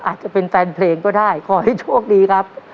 อาจจะเป็นแฟนเพลงก็ได้ขอให้โชคดีครับ